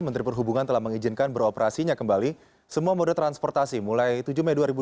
menteri perhubungan telah mengizinkan beroperasinya kembali semua moda transportasi mulai tujuh mei dua ribu dua puluh